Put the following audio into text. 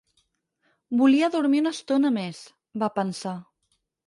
Volia dormir una estona més, va pensar.